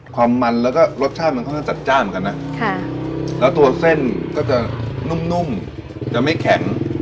ความมันแล้วก็รสชาติมันค่อนข้างจัดจ้านเหมือนกันนะแล้วตัวเส้นก็จะนุ่มจะไม่แข็ง